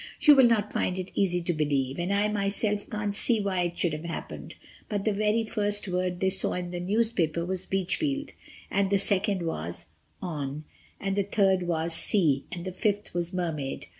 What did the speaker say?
You will not find it easy to believe, and I myself can't see why it should have happened, but the very first word they saw in that newspaper was Beachfield, and the second was On, and the third was Sea, and the fifth was Mermaid.